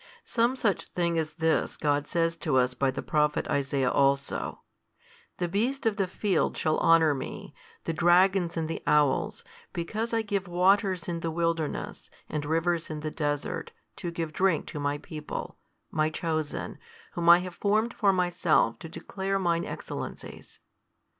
Some such thing as this God says to us by the Prophet Isaiah also, The beast of the field shall honour Me, the dragons and the owls, because I give waters in the wilderness, and rivers in the desert, to give drink to My people, My chosen, whom I have formed for Myself to declare Mine excellencies.